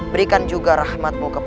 berikan juga rahmatmu